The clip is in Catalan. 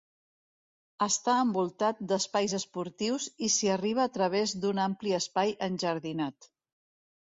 Està envoltat d'espais esportius i s'hi arriba a través d'un ampli espai enjardinat.